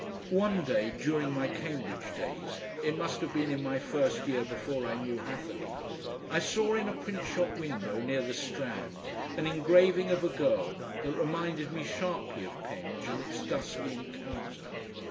One day during my Cambridge days it must have been in my first year before I knew Hatherleigh I saw in a print shop window near the Strand an engraving of a girl that reminded me sharply of Penge and its dusky encounter.